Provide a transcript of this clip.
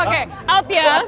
oke out ya